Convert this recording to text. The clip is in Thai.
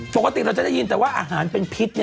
ปกติเราจะได้ยินแต่ว่าอาหารเป็นพิษ